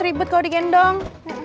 ribet kalau digendong